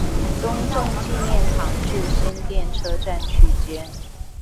中正紀念堂至新店車站區間